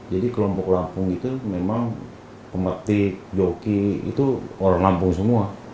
jadi kelompok lampung itu memang pemetik joki itu orang lampung semua